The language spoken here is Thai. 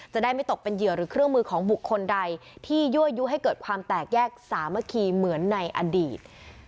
จะได้ไม่ตกเป็นเหยื่อหรือเครื่องมือของบุคคลใดที่ยั่วยุให้เกิดความแตกแยกสามัคคีเหมือนในอดีต